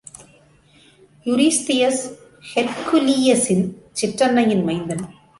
Eurystheus ஹெர்க்குலியசின் சிற்றன்னையின் மைந்தன்.